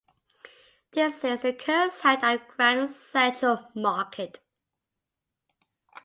This is the current site of Grand Central Market.